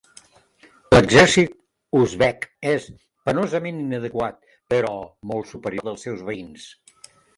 L'exèrcit uzbek és penosament inadequat, però molt superior al dels seus veïns.